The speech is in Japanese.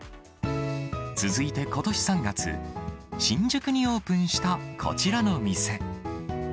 続いてことし３月、新宿にオープンしたこちらの店。